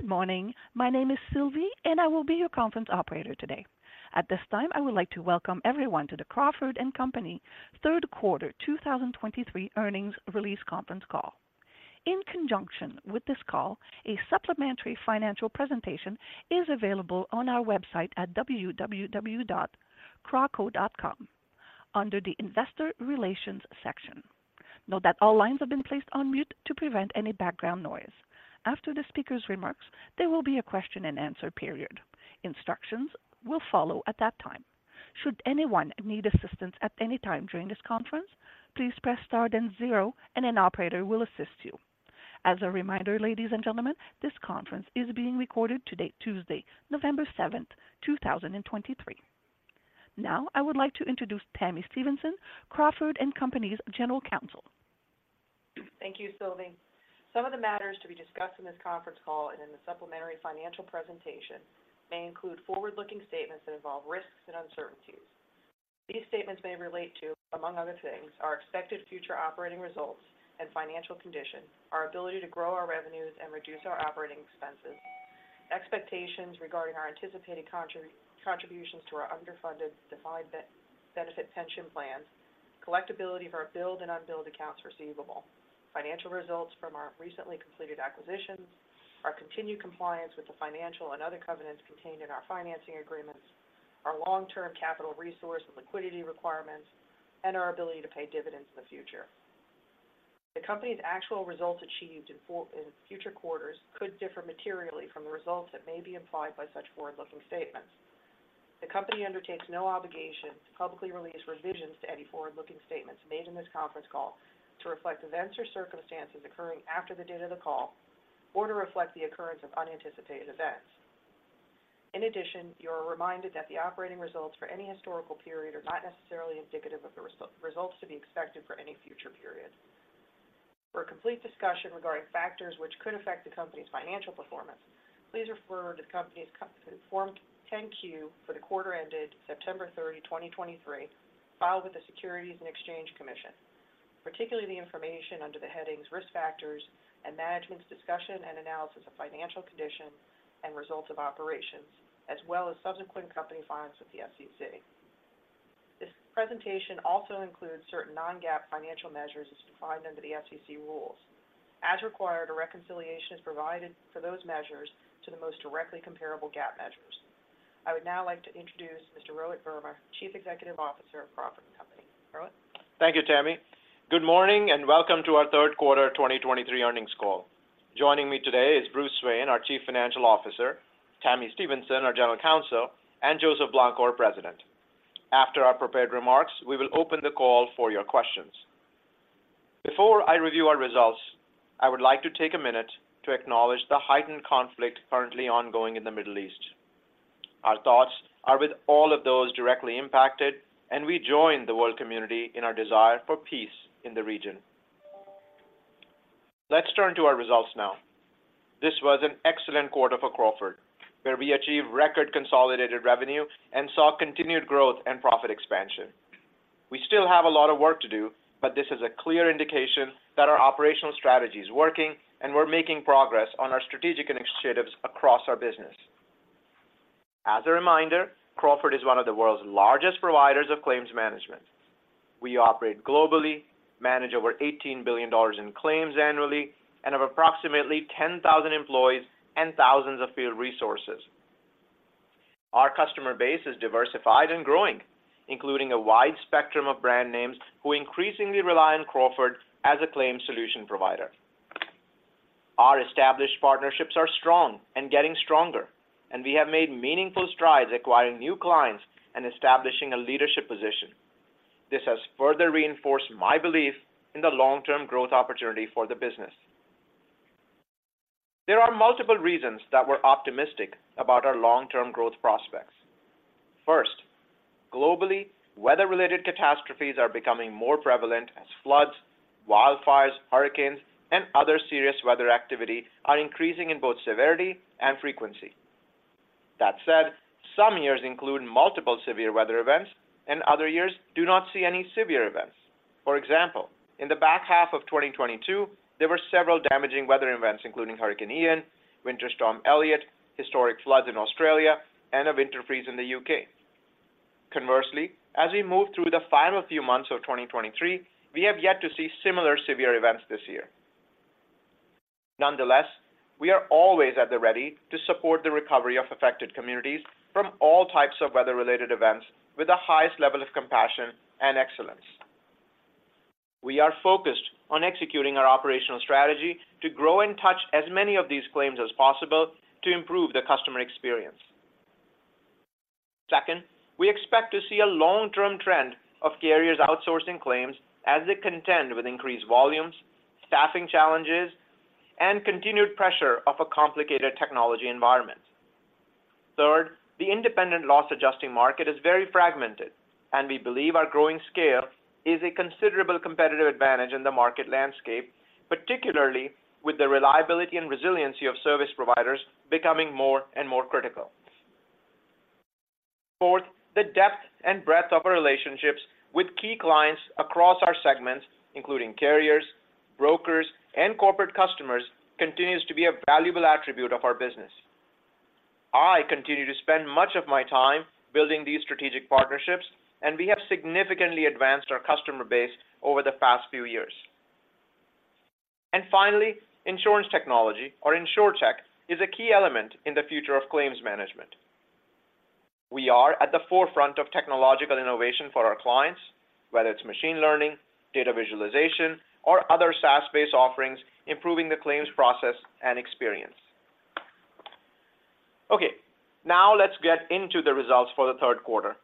Good morning. My name is Sylvie, and I will be your conference operator today. At this time, I would like to welcome everyone to the Crawford & Company third quarter 2023 earnings release conference call. In conjunction with this call, a supplementary financial presentation is available on our website at www.crawco.com under the Investor Relations section. Note that all lines have been placed on mute to prevent any background noise. After the speaker's remarks, there will be a question-and-answer period. Instructions will follow at that time. Should anyone need assistance at any time during this conference, please press Star then zero, and an operator will assist you. As a reminder, ladies and gentlemen, this conference is being recorded today, Tuesday, November 7, 2023. Now, I would like to introduce Tami Stevenson, Crawford & Company's General Counsel. Thank you, Sylvie. Some of the matters to be discussed in this conference call and in the supplementary financial presentation may include forward-looking statements that involve risks and uncertainties. These statements may relate to, among other things, our expected future operating results and financial conditions, our ability to grow our revenues and reduce our operating expenses, expectations regarding our anticipated contributions to our underfunded defined benefit pension plans, collectibility of our billed and unbilled accounts receivable, financial results from our recently completed acquisitions, our continued compliance with the financial and other covenants contained in our financing agreements, our long-term capital resource and liquidity requirements, and our ability to pay dividends in the future. The company's actual results achieved in future quarters could differ materially from the results that may be implied by such forward-looking statements. The company undertakes no obligation to publicly release revisions to any forward-looking statements made in this conference call to reflect events or circumstances occurring after the date of the call or to reflect the occurrence of unanticipated events. In addition, you are reminded that the operating results for any historical period are not necessarily indicative of the results to be expected for any future period. For a complete discussion regarding factors which could affect the company's financial performance, please refer to the company's Form 10-Q for the quarter ended September 30, 2023, filed with the Securities and Exchange Commission, particularly the information under the headings Risk Factors and Management's Discussion and Analysis of Financial Condition and Results of Operations, as well as subsequent company filings with the SEC. This presentation also includes certain non-GAAP financial measures as defined under the SEC rules. As required, a reconciliation is provided for those measures to the most directly comparable GAAP measures. I would now like to introduce Mr. Rohit Verma, Chief Executive Officer of Crawford & Company. Rohit? Thank you, Tami. Good morning, and welcome to our third quarter 2023 earnings call. Joining me today is Bruce Swain, our Chief Financial Officer, Tami Stevenson, our General Counsel, and Joseph Blanco, President. After our prepared remarks, we will open the call for your questions. Before I review our results, I would like to take a minute to acknowledge the heightened conflict currently ongoing in the Middle East. Our thoughts are with all of those directly impacted, and we join the world community in our desire for peace in the region. Let's turn to our results now. This was an excellent quarter for Crawford, where we achieved record consolidated revenue and saw continued growth and profit expansion. We still have a lot of work to do, but this is a clear indication that our operational strategy is working, and we're making progress on our strategic initiatives across our business. As a reminder, Crawford is one of the world's largest providers of claims management. We operate globally, manage over $18 billion in claims annually, and have approximately 10,000 employees and thousands of field resources. Our customer base is diversified and growing, including a wide spectrum of brand names who increasingly rely on Crawford as a claims solution provider. Our established partnerships are strong and getting stronger, and we have made meaningful strides acquiring new clients and establishing a leadership position. This has further reinforced my belief in the long-term growth opportunity for the business. There are multiple reasons that we're optimistic about our long-term growth prospects. First, globally, weather-related catastrophes are becoming more prevalent as floods, wildfires, hurricanes, and other serious weather activity are increasing in both severity and frequency. That said, some years include multiple severe weather events, and other years do not see any severe events. For example, in the back half of 2022, there were several damaging weather events, including Hurricane Ian, Winter Storm Elliott, historic floods in Australia, and a winter freeze in the UK. Conversely, as we move through the final few months of 2023, we have yet to see similar severe events this year. Nonetheless, we are always at the ready to support the recovery of affected communities from all types of weather-related events with the highest level of compassion and excellence. We are focused on executing our operational strategy to grow and touch as many of these claims as possible to improve the customer experience. Second, we expect to see a long-term trend of carriers outsourcing claims as they contend with increased volumes, staffing challenges, and continued pressure of a complicated technology environment. Third, the independent loss adjusting market is very fragmented, and we believe our growing scale is a considerable competitive advantage in the market landscape, particularly with the reliability and resiliency of service providers becoming more and more critical. Fourth, the depth and breadth of our relationships with key clients across our segments, including carriers, brokers, and corporate customers, continues to be a valuable attribute of our business. I continue to spend much of my time building these strategic partnerships, and we have significantly advanced our customer base over the past few years. And finally, insurance technology or Insurtech, is a key element in the future of claims management. We are at the forefront of technological innovation for our clients, whether it's machine learning, data visualization, or other SaaS-based offerings, improving the claims process and experience. Okay, now let's get into the results for the third quarter.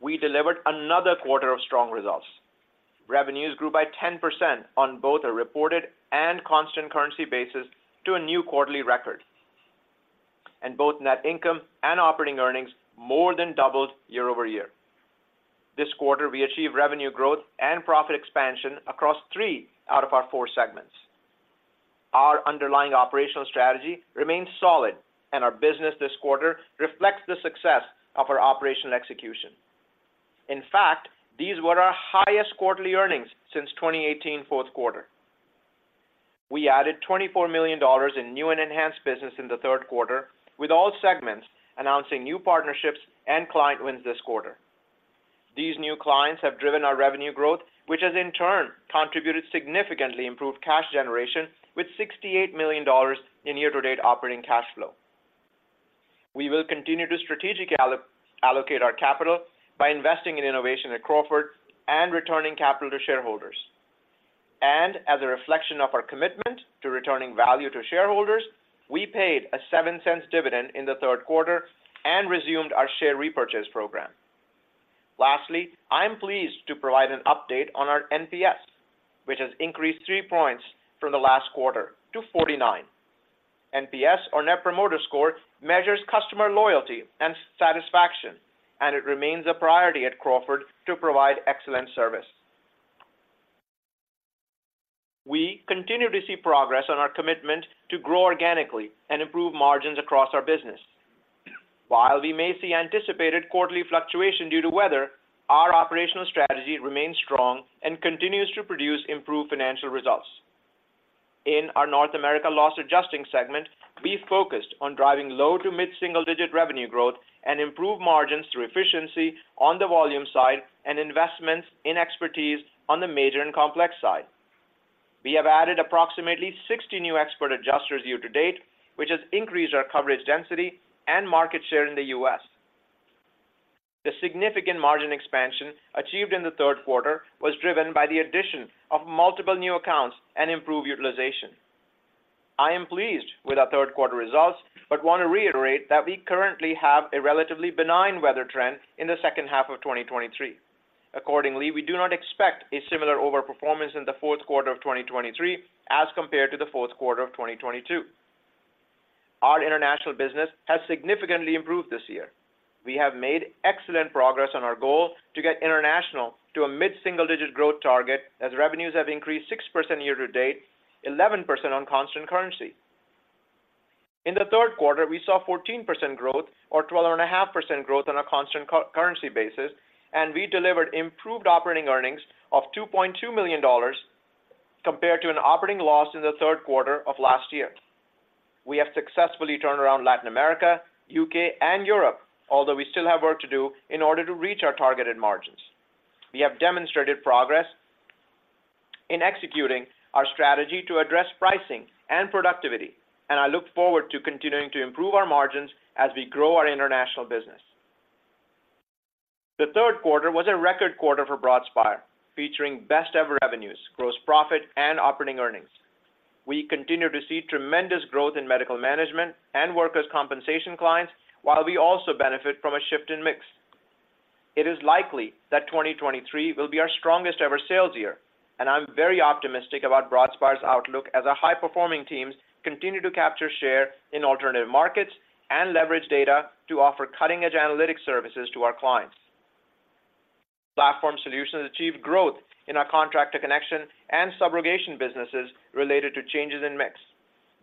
We delivered another quarter of strong results. Revenues grew by 10% on both a reported and Constant Currency basis to a new quarterly record, and both net income and operating earnings more than doubled year-over-year. This quarter, we achieved revenue growth and profit expansion across three out of our four segments. Our underlying operational strategy remains solid, and our business this quarter reflects the success of our operational execution. In fact, these were our highest quarterly earnings since 2018, fourth quarter. We added $24 million in new and enhanced business in the third quarter, with all segments announcing new partnerships and client wins this quarter. These new clients have driven our revenue growth, which has in turn contributed significantly improved cash generation with $68 million in year-to-date operating cash flow. We will continue to strategically allocate our capital by investing in innovation at Crawford and returning capital to shareholders. As a reflection of our commitment to returning value to shareholders, we paid a $0.07 dividend in the third quarter and resumed our share repurchase program. Lastly, I am pleased to provide an update on our NPS, which has increased 3 points from the last quarter to 49. NPS, or Net Promoter Score, measures customer loyalty and satisfaction, and it remains a priority at Crawford to provide excellent service. We continue to see progress on our commitment to grow organically and improve margins across our business. While we may see anticipated quarterly fluctuation due to weather, our operational strategy remains strong and continues to produce improved financial results. In our North America Loss Adjusting segment, we focused on driving low- to mid-single-digit revenue growth and improve margins through efficiency on the volume side and investments in expertise on the major and complex side. We have added approximately 60 new expert adjusters year to date, which has increased our coverage density and market share in the U.S. The significant margin expansion achieved in the third quarter was driven by the addition of multiple new accounts and improved utilization. I am pleased with our third quarter results, but want to reiterate that we currently have a relatively benign weather trend in the second half of 2023. Accordingly, we do not expect a similar overperformance in the fourth quarter of 2023 as compared to the fourth quarter of 2022. Our international business has significantly improved this year. We have made excellent progress on our goal to get international to a mid-single-digit growth target, as revenues have increased 6% year to date, 11% on constant currency. In the third quarter, we saw 14% growth or 12.5% growth on a constant currency basis, and we delivered improved operating earnings of $2.2 million compared to an operating loss in the third quarter of last year. We have successfully turned around Latin America, UK, and Europe, although we still have work to do in order to reach our targeted margins. We have demonstrated progress in executing our strategy to address pricing and productivity, and I look forward to continuing to improve our margins as we grow our international business. The third quarter was a record quarter for Broadspire, featuring best-ever revenues, gross profit, and operating earnings. We continue to see tremendous growth in medical management and workers' compensation clients, while we also benefit from a shift in mix. It is likely that 2023 will be our strongest ever sales year, and I'm very optimistic about Broadspire's outlook as our high-performing teams continue to capture share in alternative markets and leverage data to offer cutting-edge analytics services to our clients. Platform Solutions achieved growth in our Contractor Connection and Subrogation businesses related to changes in mix,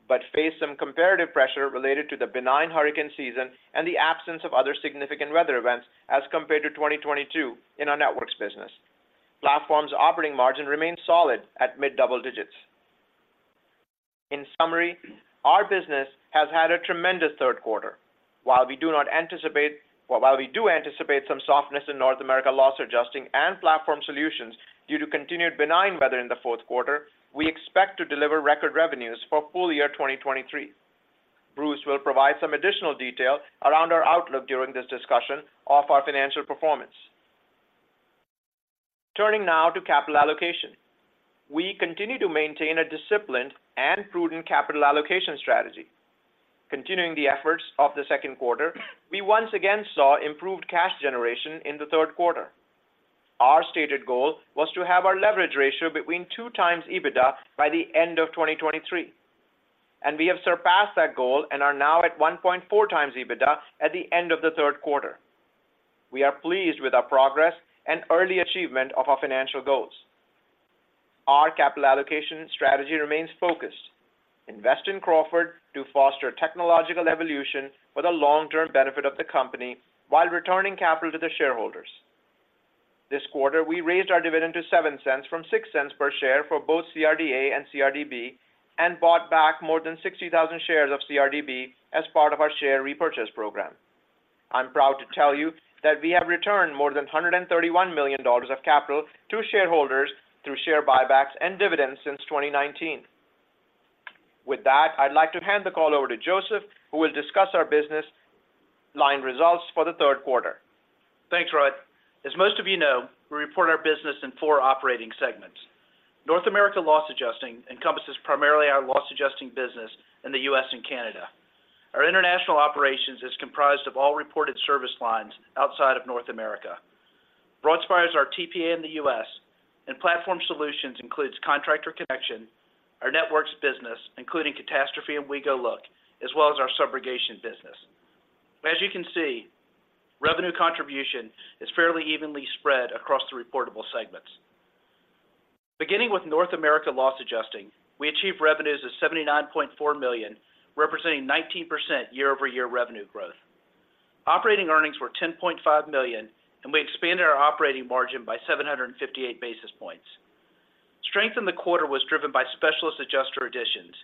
but faced some comparative pressure related to the benign hurricane season and the absence of other significant weather events as compared to 2022 in our Networks business. Platform's operating margin remains solid at mid-double digits. In summary, our business has had a tremendous third quarter. While we do anticipate some softness in North America Loss Adjusting and platform solutions due to continued benign weather in the fourth quarter, we expect to deliver record revenues for full year 2023. Bruce will provide some additional detail around our outlook during this discussion of our financial performance. Turning now to capital allocation. We continue to maintain a disciplined and prudent capital allocation strategy. Continuing the efforts of the second quarter, we once again saw improved cash generation in the third quarter. Our stated goal was to have our leverage ratio between 2x EBITDA by the end of 2023, and we have surpassed that goal and are now at 1.4x EBITDA at the end of the third quarter. We are pleased with our progress and early achievement of our financial goals. Our capital allocation strategy remains focused: invest in Crawford to foster technological evolution for the long-term benefit of the company, while returning capital to the shareholders. This quarter, we raised our dividend to $0.07 from $0.06 per share for both CRD-A and CRD-B, and bought back more than 60,000 shares of CRD-B as part of our share repurchase program. I'm proud to tell you that we have returned more than $131 million of capital to shareholders through share buybacks and dividends since 2019. With that, I'd like to hand the call over to Joseph, who will discuss our business line results for the third quarter. Thanks, Rohit. As most of you know, we report our business in four operating segments. North America Loss Adjusting encompasses primarily our loss adjusting business in the U.S. and Canada. Our international operations is comprised of all reported service lines outside of North America. Broadspire is our TPA in the U.S., and Platform Solutions includes Contractor Connection, our Networks business, including Catastrophe and WeGoLook, as well as our Subrogation business. As you can see, revenue contribution is fairly evenly spread across the reportable segments. Beginning with North America Loss Adjusting, we achieved revenues of $79.4 million, representing 19% year-over-year revenue growth. Operating earnings were $10.5 million, and we expanded our operating margin by 758 basis points. Strength in the quarter was driven by specialist adjuster additions.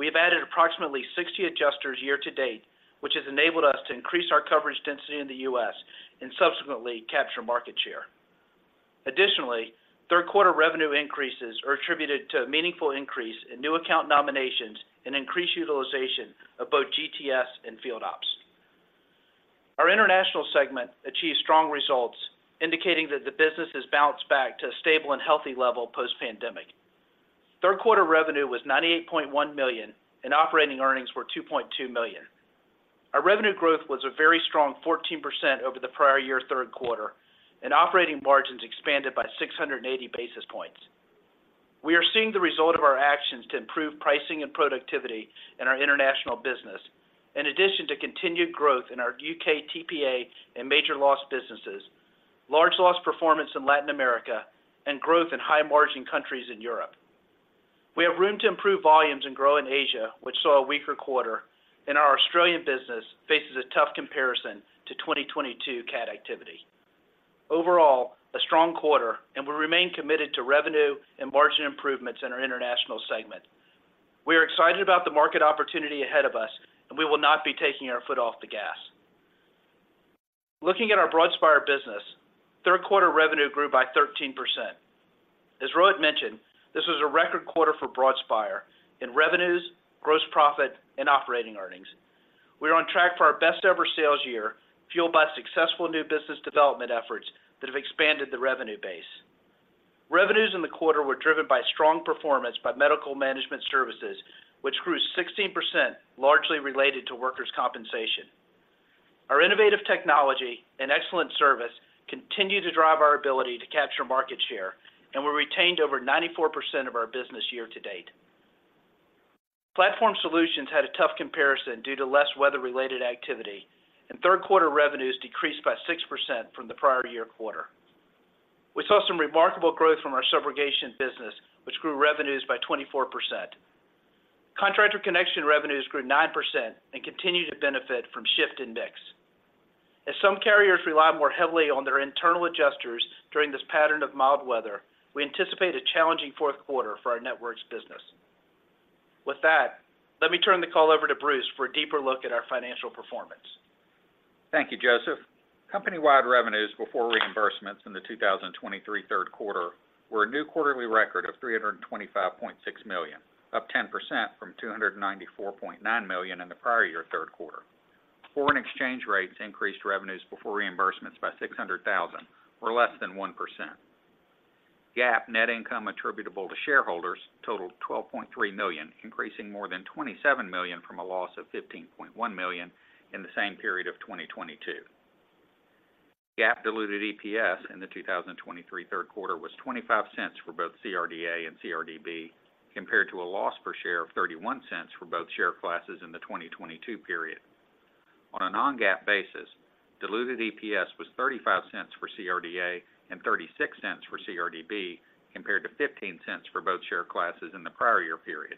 We have added approximately 60 adjusters year-to-date, which has enabled us to increase our coverage density in the U.S. and subsequently capture market share. Additionally, third quarter revenue increases are attributed to a meaningful increase in new account nominations and increased utilization of both GTS and Field Ops. Our international segment achieved strong results, indicating that the business has bounced back to a stable and healthy level post-pandemic. Third quarter revenue was $98.1 million, and operating earnings were $2.2 million. Our revenue growth was a very strong 14% over the prior year, third quarter, and operating margins expanded by 680 basis points. We are seeing the result of our actions to improve pricing and productivity in our international business, in addition to continued growth in our U.K. TPA and major loss businesses, large loss performance in Latin America, and growth in high-margin countries in Europe. We have room to improve volumes and grow in Asia, which saw a weaker quarter, and our Australian business faces a tough comparison to 2022 Cat activity. Overall, a strong quarter, and we remain committed to revenue and margin improvements in our international segment. We are excited about the market opportunity ahead of us, and we will not be taking our foot off the gas. Looking at our Broadspire business, third quarter revenue grew by 13%. As Rohit mentioned, this was a record quarter for Broadspire in revenues, gross profit, and operating earnings. We are on track for our best ever sales year, fueled by successful new business development efforts that have expanded the revenue base. Revenues in the quarter were driven by strong performance by medical management services, which grew 16%, largely related to workers' compensation. Our innovative technology and excellent service continue to drive our ability to capture market share, and we retained over 94% of our business year-to-date. Platform Solutions had a tough comparison due to less weather-related activity, and third quarter revenues decreased by 6% from the prior year quarter. We saw some remarkable growth from our Subrogation business, which grew revenues by 24%. Contractor Connection revenues grew 9% and continued to benefit from shift in mix. As some carriers rely more heavily on their internal adjusters during this pattern of mild weather, we anticipate a challenging fourth quarter for our Networks business. With that, let me turn the call over to Bruce for a deeper look at our financial performance. Thank you, Joseph. Company-wide revenues before reimbursements in the 2023 third quarter were a new quarterly record of $325.6 million, up 10% from $294.9 million in the prior-year third quarter. Foreign exchange rates increased revenues before reimbursements by $600,000, or less than 1%. GAAP net income attributable to shareholders totaled $12.3 million, increasing more than $27 million from a loss of $15.1 million in the same period of 2022. GAAP diluted EPS in the 2023 third quarter was $0.25 for both CRD-A and CRD-B, compared to a loss per share of $0.31 for both share classes in the 2022 period. On a non-GAAP basis, diluted EPS was $0.35 for CRD-A and $0.36 for CRD-B, compared to $0.15 for both share classes in the prior year period.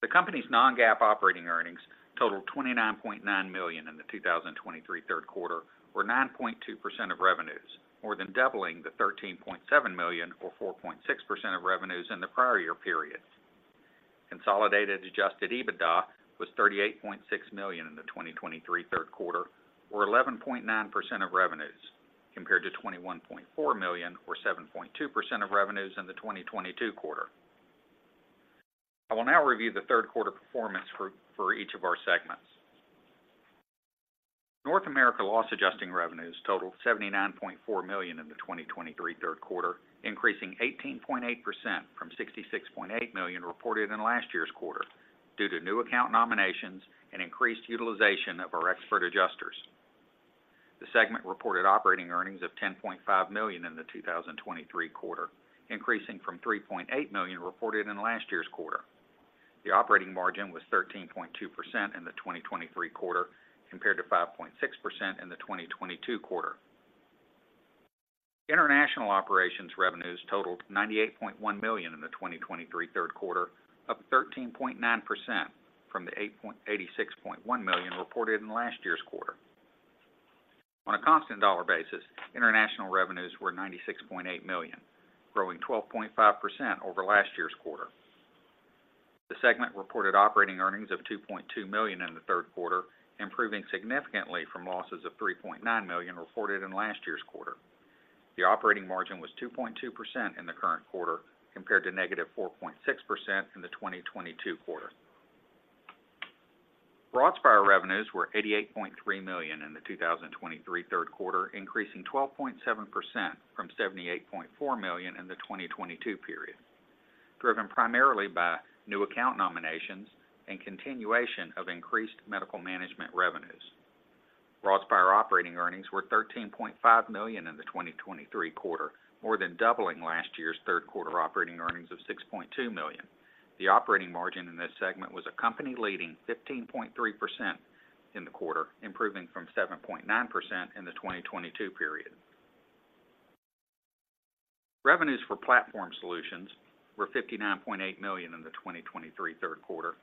The company's non-GAAP operating earnings totaled $29.9 million in the 2023 third quarter, or 9.2% of revenues, more than doubling the $13.7 million or 4.6% of revenues in the prior year period. Consolidated adjusted EBITDA was $38.6 million in the 2023 third quarter, or 11.9% of revenues, compared to $21.4 million, or 7.2% of revenues in the 2022 quarter. I will now review the third quarter performance for each of our segments. North America loss adjusting revenues totaled $79.4 million in the 2023 third quarter, increasing 18.8% from $66.8 million reported in last year's quarter, due to new account nominations and increased utilization of our expert adjusters. The segment reported operating earnings of $10.5 million in the 2023 quarter, increasing from $3.8 million reported in last year's quarter. The operating margin was 13.2% in the 2023 quarter, compared to 5.6% in the 2022 quarter. International operations revenues totaled $98.1 million in the 2023 third quarter, up 13.9% from the eighty-six point one million reported in last year's quarter. On a constant dollar basis, international revenues were $96.8 million, growing 12.5% over last year's quarter. The segment reported operating earnings of $2.2 million in the third quarter, improving significantly from losses of $3.9 million reported in last year's quarter. The operating margin was 2.2% in the current quarter, compared to negative 4.6% in the 2022 quarter. Broadspire revenues were $88.3 million in the 2023 third quarter, increasing 12.7% from $78.4 million in the 2022 period, driven primarily by new account nominations and continuation of increased medical management revenues. Broadspire operating earnings were $13.5 million in the 2023 quarter, more than doubling last year's third quarter operating earnings of $6.2 million. The operating margin in this segment was a company-leading 15.3% in the quarter, improving from 7.9% in the 2022 period. Revenues for Platform Solutions were $59.8 million in the 2023 third quarter,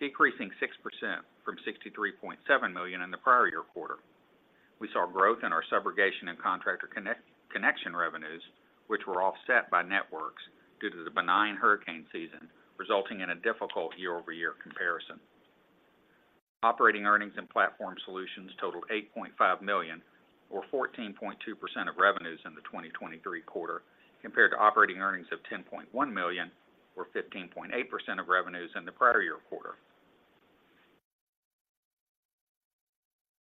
decreasing 6% from $63.7 million in the prior year quarter. We saw growth in our Subrogation and Contractor Connection revenues, which were offset by Networks due to the benign hurricane season, resulting in a difficult year-over-year comparison. Operating earnings in Platform Solutions totaled $8.5 million, or 14.2% of revenues in the 2023 quarter, compared to operating earnings of $10.1 million, or 15.8% of revenues in the prior year quarter.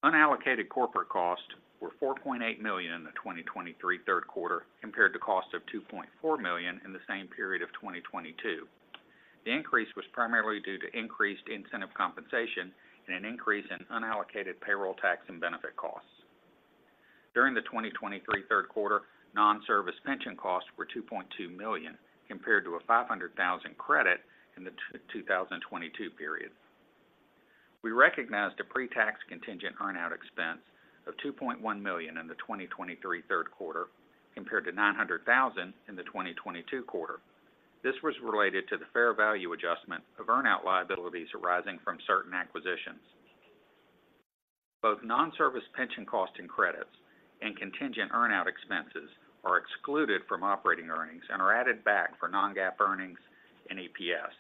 Unallocated corporate costs were $4.8 million in the 2023 third quarter, compared to costs of $2.4 million in the same period of 2022. The increase was primarily due to increased incentive compensation and an increase in unallocated payroll tax and benefit costs. During the 2023 third quarter, nonservice pension costs were $2.2 million, compared to a $500,000 credit in the 2022 period. We recognized a pre-tax contingent earn-out expense of $2.1 million in the 2023 third quarter, compared to $900,000 in the 2022 quarter. This was related to the fair value adjustment of earn-out liabilities arising from certain acquisitions. Both nonservice pension costs and credits and contingent earn-out expenses are excluded from operating earnings and are added back for non-GAAP earnings and EPS.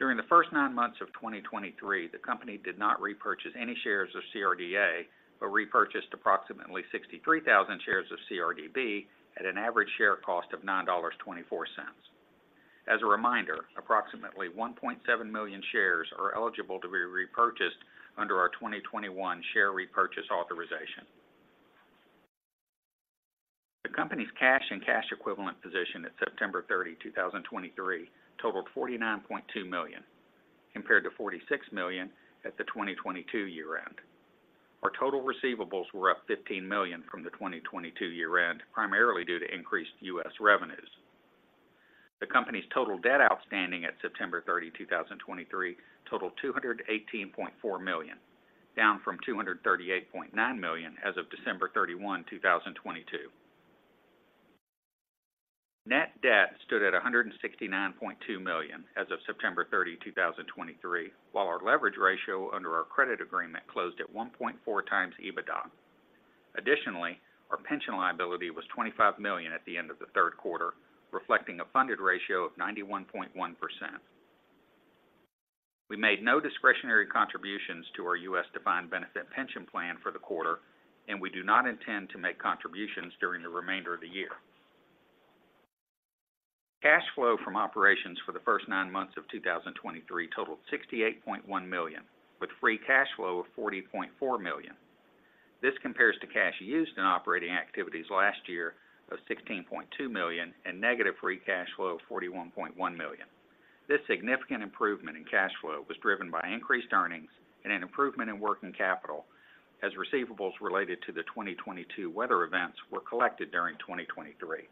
During the first 9 months of 2023, the company did not repurchase any shares of CRD-A, but repurchased approximately 63,000 shares of CRD-B at an average share cost of $9.24. As a reminder, approximately 1.7 million shares are eligible to be repurchased under our 2021 share repurchase authorization. The company's cash and cash equivalent position at September 30, 2023, totaled $49.2 million, compared to $46 million at the 2022 year-end. Our total receivables were up $15 million from the 2022 year-end, primarily due to increased U.S. revenues. The company's total debt outstanding at September 30, 2023, totaled $218.4 million, down from $238.9 million as of December 31, 2022. Net debt stood at $169.2 million as of September 30, 2023, while our leverage ratio under our credit agreement closed at 1.4 times EBITDA. Additionally, our pension liability was $25 million at the end of the third quarter, reflecting a funded ratio of 91.1%. We made no discretionary contributions to our U.S. defined benefit pension plan for the quarter, and we do not intend to make contributions during the remainder of the year. Cash flow from operations for the first nine months of 2023 totaled $68.1 million, with free cash flow of $40.4 million. This compares to cash used in operating activities last year of $16.2 million and negative free cash flow of $41.1 million. This significant improvement in cash flow was driven by increased earnings and an improvement in working capital, as receivables related to the 2022 weather events were collected during 2023.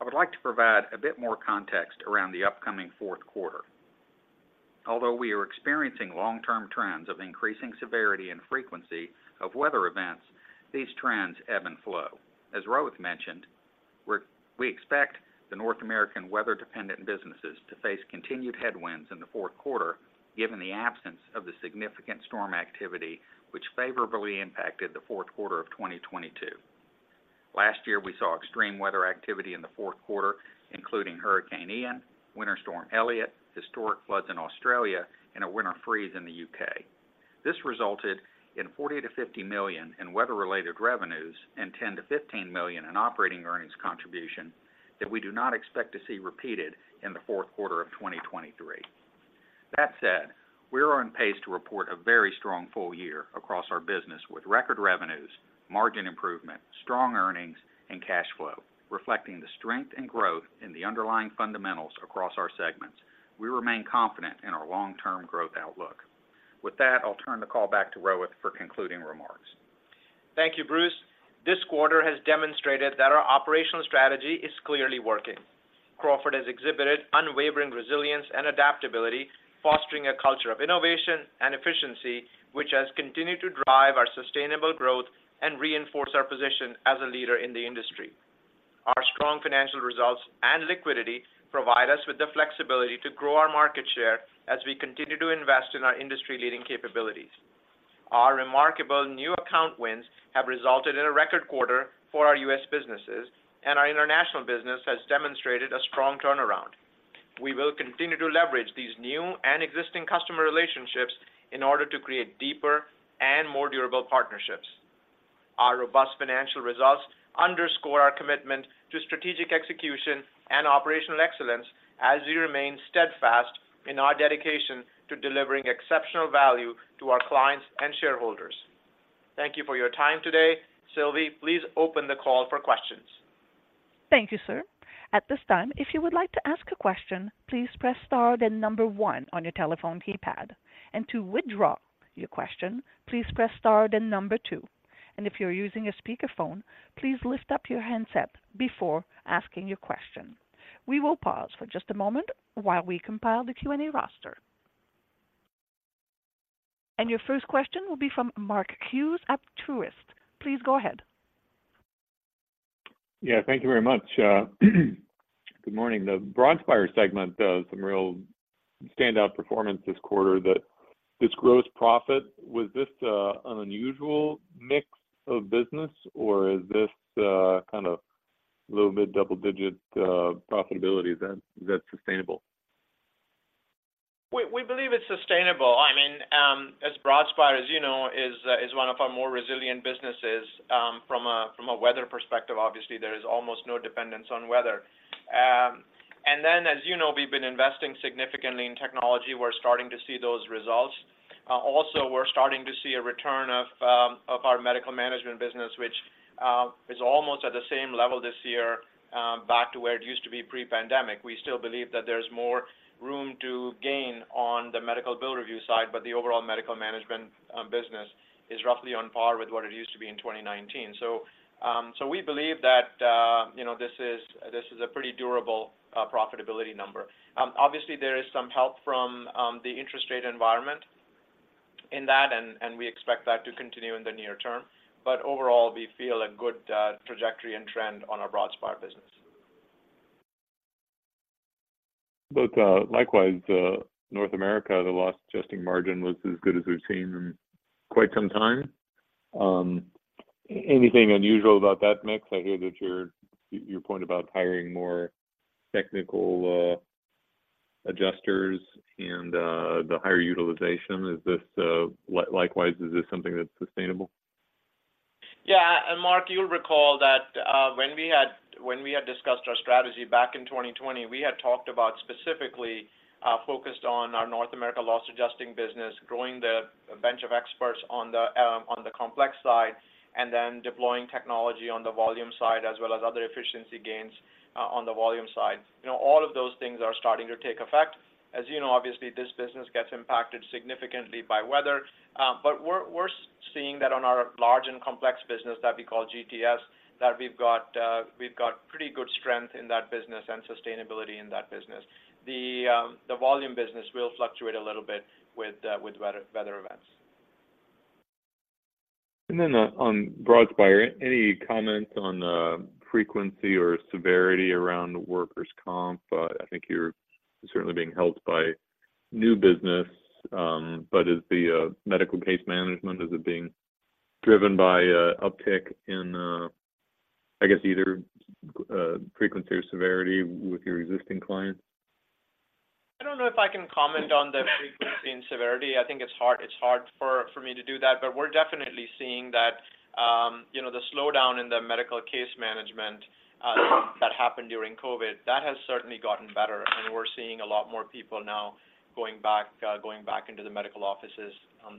I would like to provide a bit more context around the upcoming fourth quarter. Although we are experiencing long-term trends of increasing severity and frequency of weather events, these trends ebb and flow. As Rohit mentioned, we expect the North American weather-dependent businesses to face continued headwinds in the fourth quarter, given the absence of the significant storm activity which favorably impacted the fourth quarter of 2022. Last year, we saw extreme weather activity in the fourth quarter, including Hurricane Ian, Winter Storm Elliott, historic floods in Australia, and a winter freeze in the U.K. This resulted in $40 million-$50 million in weather-related revenues and $10 million-$15 million in operating earnings contribution that we do not expect to see repeated in the fourth quarter of 2023. That said, we are on pace to report a very strong full year across our business, with record revenues, margin improvement, strong earnings, and cash flow, reflecting the strength and growth in the underlying fundamentals across our segments. We remain confident in our long-term growth outlook. With that, I'll turn the call back to Rohit for concluding remarks.... Thank you, Bruce. This quarter has demonstrated that our operational strategy is clearly working. Crawford has exhibited unwavering resilience and adaptability, fostering a culture of innovation and efficiency, which has continued to drive our sustainable growth and reinforce our position as a leader in the industry. Our strong financial results and liquidity provide us with the flexibility to grow our market share as we continue to invest in our industry-leading capabilities. Our remarkable new account wins have resulted in a record quarter for our U.S. businesses, and our international business has demonstrated a strong turnaround. We will continue to leverage these new and existing customer relationships in order to create deeper and more durable partnerships. Our robust financial results underscore our commitment to strategic execution and operational excellence as we remain steadfast in our dedication to delivering exceptional value to our clients and shareholders. Thank you for your time today. Sylvie, please open the call for questions. Thank you, sir. At this time, if you would like to ask a question, please press star then number one on your telephone keypad, and to withdraw your question, please press star then number two. And if you're using a speakerphone, please lift up your handset before asking your question. We will pause for just a moment while we compile the Q&A roster. And your first question will be from Mark Hughes at Truist. Please go ahead. Yeah, thank you very much. Good morning. The Broadspire segment, some real standout performance this quarter, that this gross profit, was this an unusual mix of business, or is this kind of a little bit double-digit profitability that's sustainable? We believe it's sustainable. I mean, as Broadspire, as you know, is one of our more resilient businesses, from a weather perspective, obviously, there is almost no dependence on weather. And then, as you know, we've been investing significantly in technology. We're starting to see those results. Also, we're starting to see a return of our medical management business, which is almost at the same level this year, back to where it used to be pre-pandemic. We still believe that there's more room to gain on the medical bill review side, but the overall medical management business is roughly on par with what it used to be in 2019. So we believe that, you know, this is a pretty durable profitability number. Obviously, there is some help from the interest rate environment in that, and we expect that to continue in the near term. But overall, we feel a good trajectory and trend on our Broadspire business. But, likewise, North America, the loss adjusting margin was as good as we've seen in quite some time. Anything unusual about that mix? I hear that your point about hiring more technical adjusters and the higher utilization, is this likewise, is this something that's sustainable? Yeah, and Mark, you'll recall that when we had discussed our strategy back in 2020, we had talked about specifically focused on our North America Loss Adjusting business, growing the bench of experts on the complex side, and then deploying technology on the volume side, as well as other efficiency gains on the volume side. You know, all of those things are starting to take effect. As you know, obviously, this business gets impacted significantly by weather, but we're seeing that on our large and complex business that we call GTS, that we've got pretty good strength in that business and sustainability in that business. The volume business will fluctuate a little bit with weather events. And then, on Broadspire, any comment on the frequency or severity around workers' comp? I think you're certainly being helped by new business, but is the medical case management, is it being driven by uptick in, I guess, either frequency or severity with your existing clients? I don't know if I can comment on the frequency and severity. I think it's hard for me to do that, but we're definitely seeing that, you know, the slowdown in the medical case management that happened during COVID, that has certainly gotten better, and we're seeing a lot more people now going back into the medical offices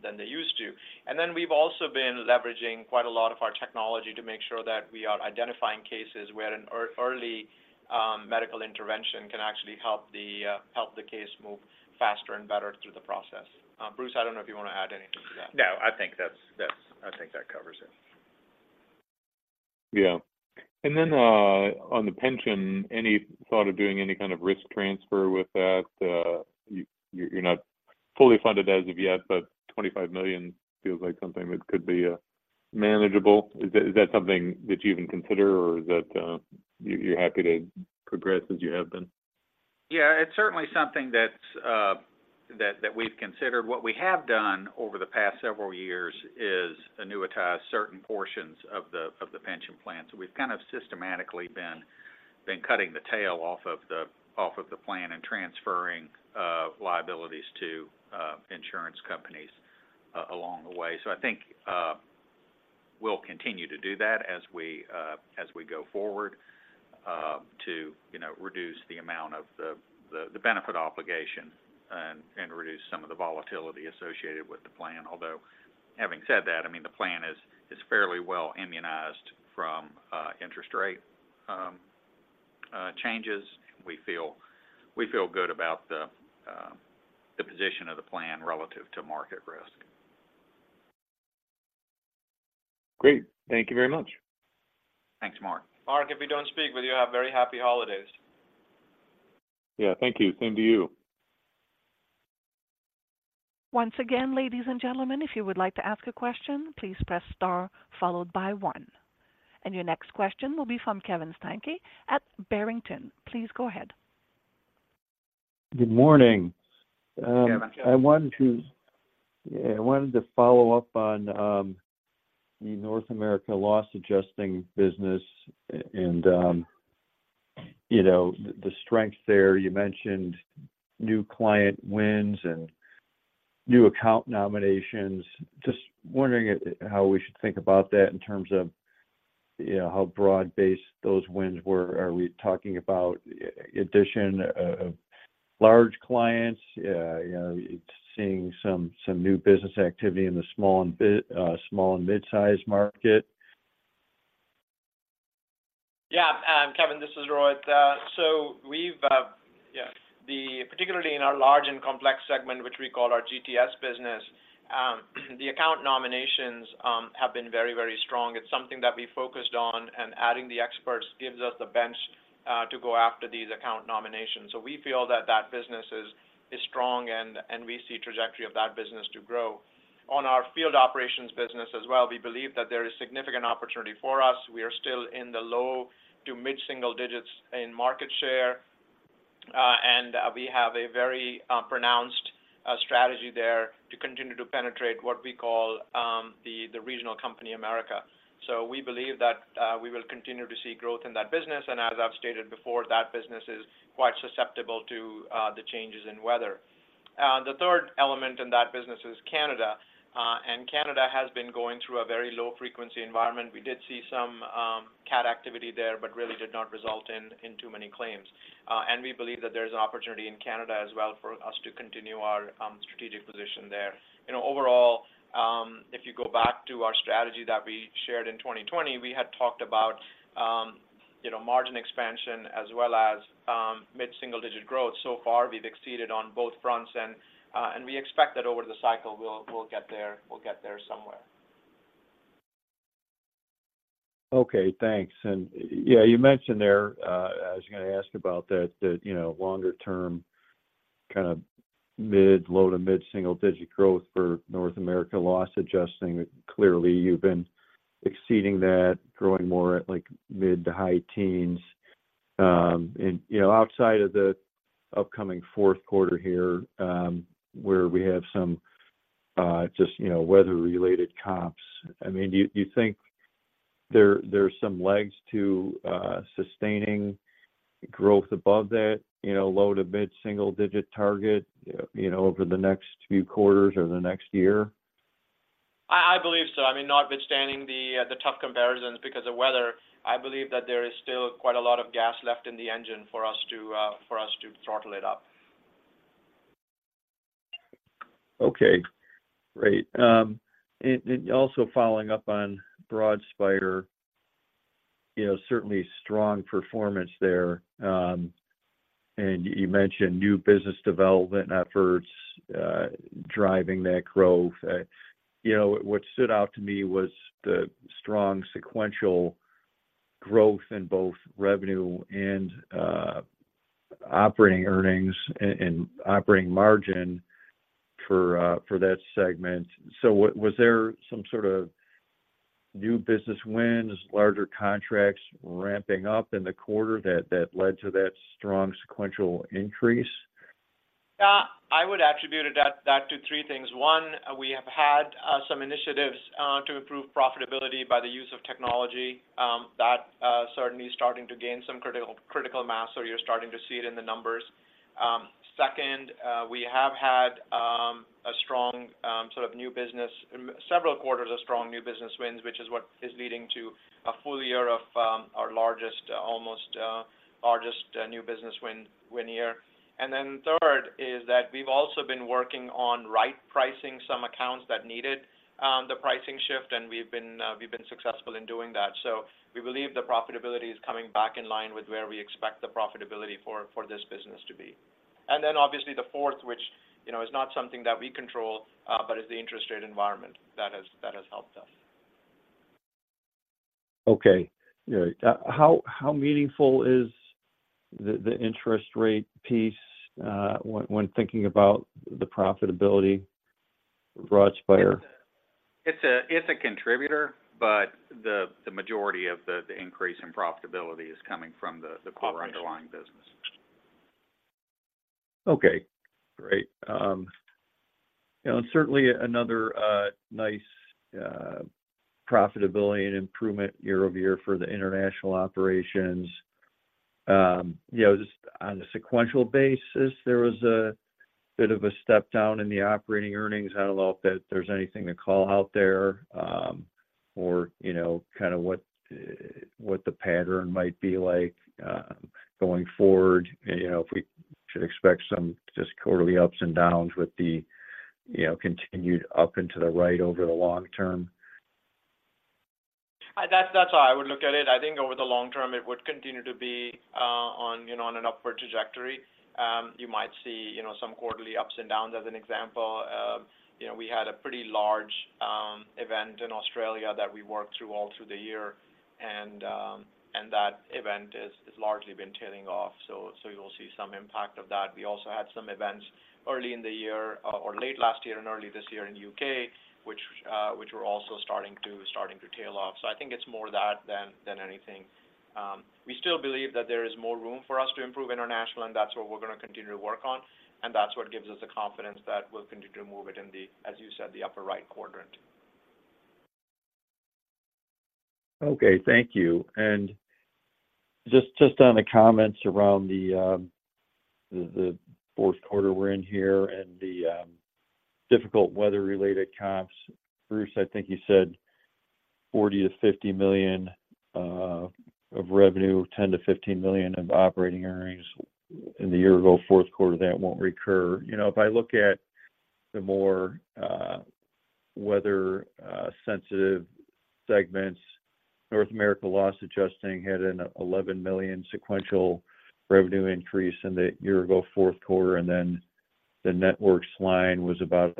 than they used to. And then we've also been leveraging quite a lot of our technology to make sure that we are identifying cases where an early medical intervention can actually help the case move faster and better through the process. Bruce, I don't know if you want to add anything to that. No, I think that's. I think that covers it. Yeah. And then, on the pension, any thought of doing any kind of risk transfer with that? You're not fully funded as of yet, but $25 million feels like something that could be manageable. Is that, is that something that you even consider or that you're happy to progress as you have been? Yeah, it's certainly something that we've considered. What we have done over the past several years is annuitize certain portions of the pension plan. So we've kind of systematically been cutting the tail off of the plan and transferring liabilities to insurance companies along the way. So I think we'll continue to do that as we go forward to, you know, reduce the amount of the benefit obligation and reduce some of the volatility associated with the plan. Although, having said that, I mean, the plan is fairly well immunized from interest rate changes, we feel good about the position of the plan relative to market risk. Great. Thank you very much. Thanks, Mark. Mark, if we don't speak with you, have very happy holidays, Yeah, thank you. Same to you. Once again, ladies and gentlemen, if you would like to ask a question, please press star followed by one. Your next question will be from Kevin Steinke at Barrington. Please go ahead. Good morning. Yeah, hi- I wanted to follow up on the North America Loss Adjusting business and, you know, the strength there. You mentioned new client wins and new account nominations. Just wondering how we should think about that in terms of, you know, how broad-based those wins were. Are we talking about addition of large clients? You know, seeing some new business activity in the small and mid-sized market? Yeah, Kevin, this is Rohit. So we've, yeah, particularly in our large and complex segment, which we call our GTS business, the account nominations have been very, very strong. It's something that we focused on, and adding the experts gives us the bench to go after these account nominations. So we feel that that business is strong, and we see trajectory of that business to grow. On our field operations business as well, we believe that there is significant opportunity for us. We are still in the low to mid-single digits in market share, and we have a very pronounced strategy there to continue to penetrate what we call the regional company America. So we believe that we will continue to see growth in that business, and as I've stated before, that business is quite susceptible to the changes in weather. The third element in that business is Canada, and Canada has been going through a very low-frequency environment. We did see some Cat activity there, but really did not result in too many claims. And we believe that there's an opportunity in Canada as well for us to continue our strategic position there. You know, overall, if you go back to our strategy that we shared in 2020, we had talked about you know, margin expansion as well as mid-single-digit growth. So far, we've exceeded on both fronts, and we expect that over the cycle, we'll get there, we'll get there somewhere. Okay, thanks. And yeah, you mentioned there, I was going to ask about that, you know, longer term, kind of mid-low to mid single digit growth for North America Loss Adjusting. Clearly, you've been exceeding that, growing more at, like, mid- to high-teens. And, you know, outside of the upcoming fourth quarter here, where we have some, just, you know, weather-related comps, I mean, do you think there are some legs to sustaining growth above that, you know, low to mid single digit target, you know, over the next few quarters or the next year? I believe so. I mean, notwithstanding the tough comparisons because of weather, I believe that there is still quite a lot of gas left in the engine for us to throttle it up. Okay, great. And also following up on Broadspire, you know, certainly strong performance there. And you mentioned new business development efforts driving that growth. You know, what stood out to me was the strong sequential growth in both revenue and operating earnings and operating margin for that segment. So, what was there some sort of new business wins, larger contracts ramping up in the quarter that led to that strong sequential increase? I would attribute it to three things. One, we have had some initiatives to improve profitability by the use of technology that certainly is starting to gain some critical mass, so you're starting to see it in the numbers. Second, we have had a strong sort of new business-- several quarters of strong new business wins, which is what is leading to a full year of our largest, almost largest new business win year. And then third is that we've also been working on right pricing some accounts that needed the pricing shift, and we've been successful in doing that. So we believe the profitability is coming back in line with where we expect the profitability for this business to be. And then obviously the fourth, which, you know, is not something that we control, but is the interest rate environment that has helped us. Okay. Yeah. How meaningful is the interest rate piece when thinking about the profitability of Broadspire? It's a contributor, but the majority of the increase in profitability is coming from the core underlying business. Okay, great. You know, certainly another nice profitability and improvement year-over-year for the international operations. You know, just on a sequential basis, there was a bit of a step down in the operating earnings. I don't know if that there's anything to call out there, or, you know, kind of what what the pattern might be like going forward. You know, if we should expect some just quarterly ups and downs with the, you know, continued up into the right over the long term?... That's how I would look at it. I think over the long term, it would continue to be on, you know, on an upward trajectory. You might see, you know, some quarterly ups and downs as an example. You know, we had a pretty large event in Australia that we worked through all through the year, and that event is largely been tailing off. So you'll see some impact of that. We also had some events early in the year or late last year and early this year in UK, which were also starting to tail off. So I think it's more that than anything. We still believe that there is more room for us to improve international, and that's what we're going to continue to work on, and that's what gives us the confidence that we'll continue to move it in the, as you said, the upper right quadrant. Okay, thank you. Just, just on the comments around the, the fourth quarter we're in here and the, difficult weather-related comps. Bruce, I think you said $40-$50 million of revenue, $10-$15 million of operating earnings in the year-ago fourth quarter, that won't recur. You know, if I look at the more, weather, sensitive segments, North America Loss Adjusting had an $11 million sequential revenue increase in the year-ago fourth quarter, and then the Networks line was about,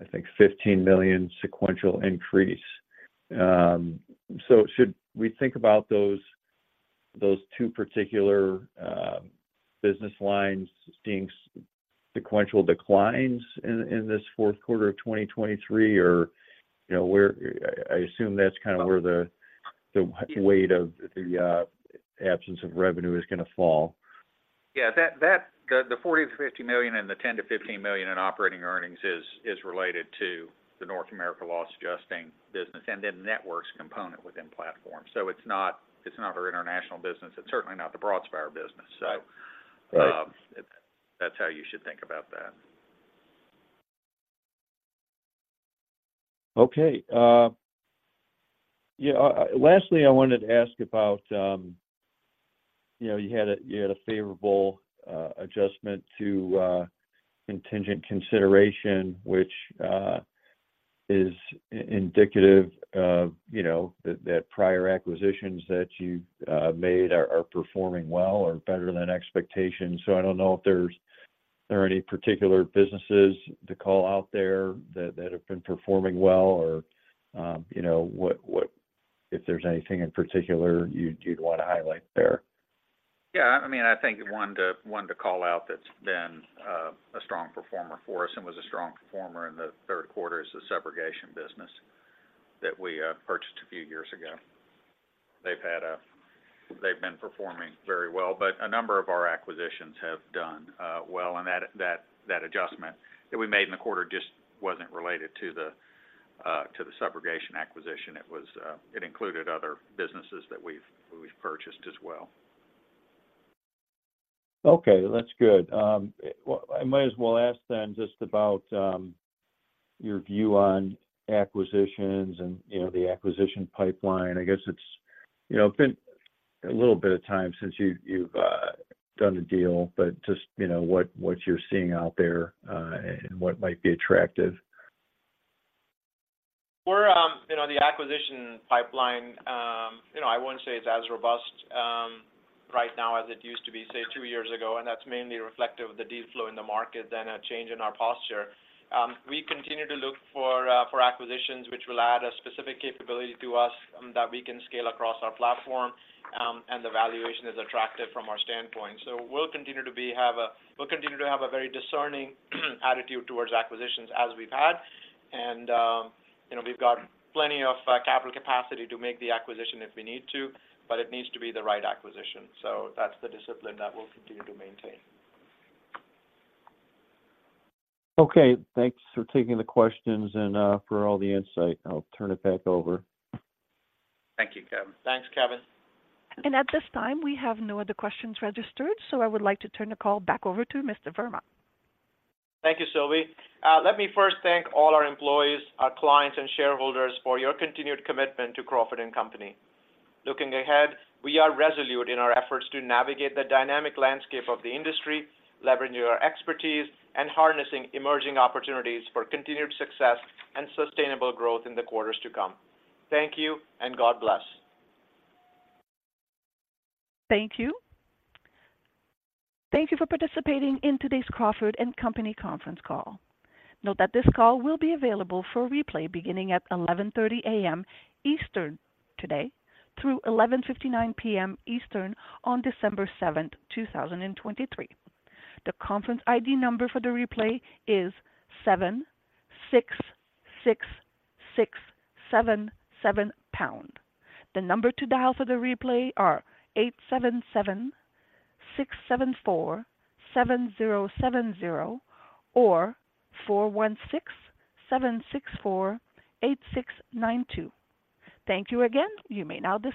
I think, $15 million sequential increase. So should we think about those, those two particular, business lines seeing sequential declines in, this fourth quarter of 2023? Or, you know, where, I assume that's kind of where the, weight of the, absence of revenue is going to fall. Yeah, that the $40-$50 million and the $10-$15 million in operating earnings is related to the North America Loss Adjusting business and the Networks component within platform. So it's not our international business. It's certainly not the Broadspire business. So- Right. That's how you should think about that. Okay, yeah, lastly, I wanted to ask about, you know, you had a, you had a favorable adjustment to contingent consideration, which is indicative of, you know, that prior acquisitions that you made are, are performing well or better than expectations. So I don't know if there's, there are any particular businesses to call out there that, that have been performing well or, you know, what, what if there's anything in particular you'd, you'd want to highlight there. Yeah, I mean, I think one to call out that's been a strong performer for us and was a strong performer in the third quarter is the Subrogation business that we purchased a few years ago. They've been performing very well, but a number of our acquisitions have done well, and that adjustment that we made in the quarter just wasn't related to the Subrogation acquisition. It included other businesses that we've purchased as well. Okay, that's good. Well, I might as well ask then just about your view on acquisitions and, you know, the acquisition pipeline. I guess it's, you know, been a little bit of time since you've done a deal, but just, you know, what you're seeing out there, and what might be attractive. We're, you know, the acquisition pipeline, you know, I wouldn't say it's as robust, right now as it used to be, say, two years ago, and that's mainly reflective of the deal flow in the market than a change in our posture. We continue to look for acquisitions which will add a specific capability to us that we can scale across our platform, and the valuation is attractive from our standpoint. So we'll continue to have a very discerning attitude towards acquisitions as we've had. And, you know, we've got plenty of capital capacity to make the acquisition if we need to, but it needs to be the right acquisition. So that's the discipline that we'll continue to maintain. Okay, thanks for taking the questions and for all the insight. I'll turn it back over. Thank you, Kevin. Thanks, Kevin. At this time, we have no other questions registered, so I would like to turn the call back over to Mr. Verma. Thank you, Sylvie. Let me first thank all our employees, our clients, and shareholders for your continued commitment to Crawford & Company. Looking ahead, we are resolute in our efforts to navigate the dynamic landscape of the industry, leveraging our expertise and harnessing emerging opportunities for continued success and sustainable growth in the quarters to come. Thank you, and God bless. Thank you. Thank you for participating in today's Crawford & Company conference call. Note that this call will be available for replay beginning at 11:30 A.M. Eastern today through 11:59 P.M. Eastern on December 7, 2023. The conference ID number for the replay is 766677#. The number to dial for the replay are 877-674-7070 or 416-764-8692. Thank you again. You may now disconnect.